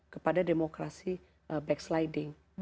kepada demokrasi backsliding